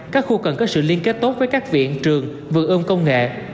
các khu cần có sự liên kết tốt với các viện trường vườn ươm công nghệ